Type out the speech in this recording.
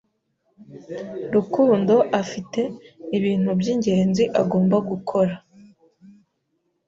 Rukundo afite ibintu by'ingenzi agomba gukora.